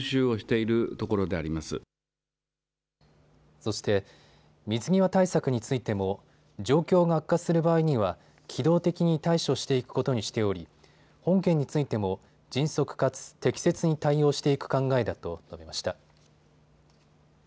そして水際対策についても状況が悪化する場合には機動的に対処していくことにしており本件についても迅速かつ適切に対応していく考えだと述べました。